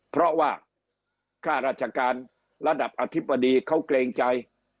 เพราะว่าค่าราชการระดับอธิบดีเขาเกรงใจ